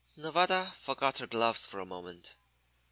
Nevada forgot her gloves for a moment.